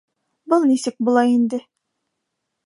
- Был нисек була инде?